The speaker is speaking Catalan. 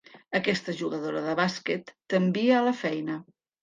Aquesta jugadora de bàsquet t'envia a la feina.